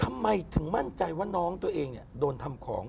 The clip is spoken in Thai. ทำไมถึงมั่นใจว่าน้องตัวเองโดนทำของ